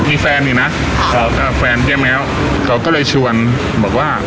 มีแฟนอยู่นะขอกับแฟนเจ๊แมวเขาก็เลยชวนบอกว่า